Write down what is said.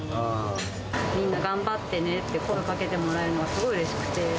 みんな、頑張ってねって声かけてもらえるのがすごいうれしくて。